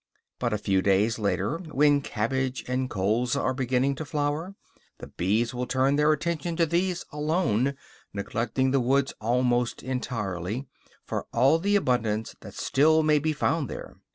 But, a few days later, when cabbage and colza are beginning to flower, the bees will turn their attention to these alone, neglecting the woods almost entirely, for all the abundance that still may be found there.